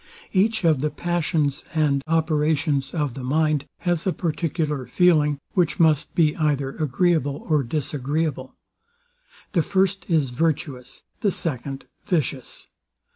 Each of the passions and operations of the mind has a particular feeling, which must be either agreeable or disagreeable. The first is virtuous, the second vicious.